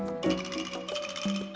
tapi tidak bisa